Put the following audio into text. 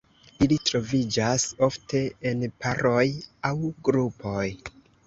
Ili troviĝas ofte en paroj aŭ grupoj.